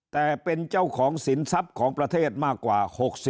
แต่เป็นเจ้าของสินทรัพย์ของประเทศมากกว่า๖๐